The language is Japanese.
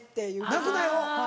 「泣くなよ」。